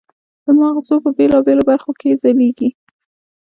د مغزو په بېلابېلو برخو کې یې ځلېږي.